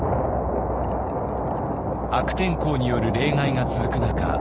悪天候による冷害が続く中